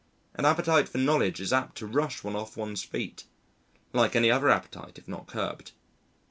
An appetite for knowledge is apt to rush one off one's feet, like any other appetite if not curbed.